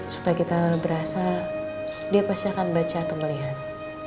supaya kita berasa dia pasti akan baca kemuliaan